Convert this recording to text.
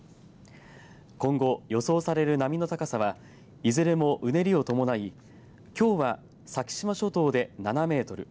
今後予想される波の高さはいずれもうねりを伴いきょうは先島諸島で７メートル